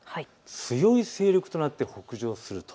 強い勢力となって、北上すると。